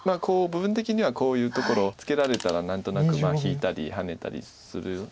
こう部分的にはこういうところをツケられたら何となく引いたりハネたりする。